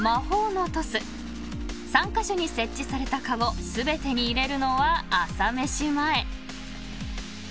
［３カ所に設置されたかご全てに入れるのは朝飯前］